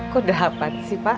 kok dapat sih pak